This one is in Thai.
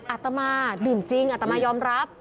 อาตมาดื่มจริงอัตมายอมรับ